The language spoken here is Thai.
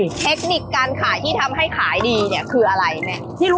เทคนิคการขายที่ทำให้ขายดีคือคืออะไรนะ